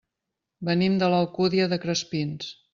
Venim de l'Alcúdia de Crespins.